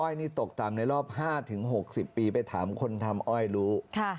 นี่ตกต่ำในรอบ๕๖๐ปีไปถามคนทำอ้อยรู้